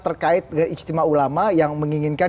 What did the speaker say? terkait keistimewa ulama yang menginginkan